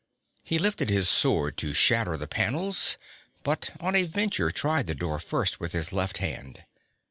He lifted his sword to shatter the panels, but on a venture tried the door first with his left hand.